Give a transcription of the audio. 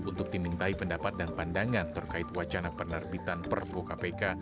untuk dimintai pendapat dan pandangan terkait wacana penerbitan perpu kpk